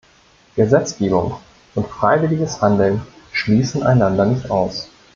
Gesetzgebung und freiwilliges Handeln schließen einander nicht aus.